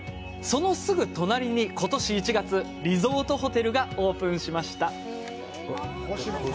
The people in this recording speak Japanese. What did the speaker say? そのすぐ隣に、今年１月リゾートホテルがオープンしました。